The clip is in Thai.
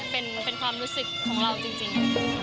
เป็นความรู้สึกของเราจริง